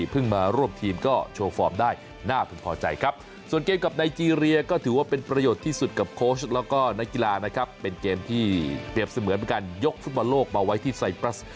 เป็นการยกศุภาโลกมาไว้ที่ไซปรัส